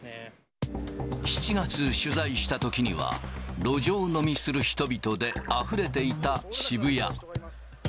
７月、取材したときには、路上飲みする人々であふれていた渋谷。